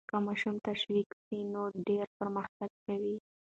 که ماشوم تشویق سي نو ډېر پرمختګ کوي.